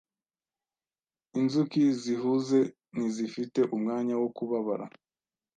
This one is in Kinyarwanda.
Inzuki zihuze ntizifite umwanya wo kubabara.